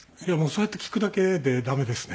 そうやって聞くだけでダメですね。